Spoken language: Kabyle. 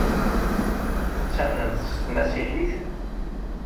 Tettamnemt s tmasiḥit?